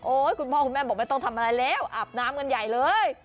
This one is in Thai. คุณพ่อคุณแม่บอกไม่ต้องทำอะไรแล้วอาบน้ำกันใหญ่เลย